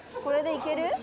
これでいける？